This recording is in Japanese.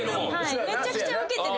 めちゃくちゃウケてるし。